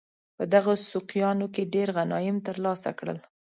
په دغو سوقیانو کې ډېر غنایم ترلاسه کړل.